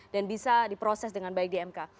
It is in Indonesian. dan bisa diproses dengan baik di mk